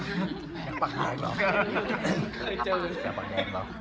อุทัยทิพย์